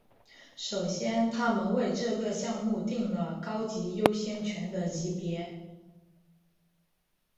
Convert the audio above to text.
首先他们为这个项目订了高级优先权的级别。